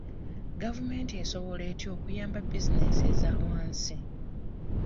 Gavumenti esobola etya okuyamba bizinensi ezawansi?